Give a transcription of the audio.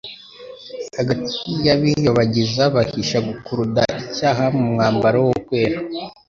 Hagati y'abiyobagiza, bahisha gukuruda icyaha mu mwambaro wo kwera